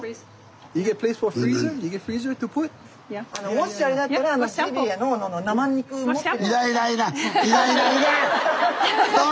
もしあれだったらジビエの生肉持って。